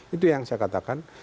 itu yang saya katakan